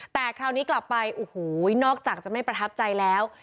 แต่คราวนี้กลับไปโอ้โหนอกจากจะไม่ประทับใจแล้ว